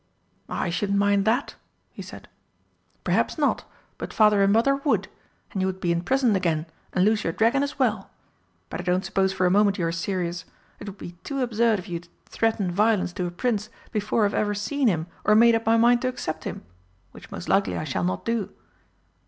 "I shouldn't mind that," he said. "Perhaps not but Father and Mother would. And you would be imprisoned again, and lose your dragon as well. But I don't suppose for a moment you are serious. It would be too absurd of you to threaten violence to a Prince before I've ever seen him or made up my mind to accept him which most likely I shall not do."